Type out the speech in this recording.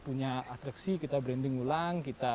punya atraksi kita branding ulang